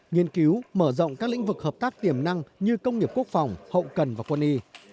nghiên cứu mở rộng các lĩnh vực hợp tác tiềm năng như công nghiệp quốc phòng hậu cần và quân y